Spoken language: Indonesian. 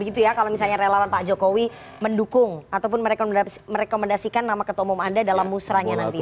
gitu ya kalau misalnya relawan pak jokowi mendukung ataupun merekomendasikan nama ketua umum anda dalam musrahnya nanti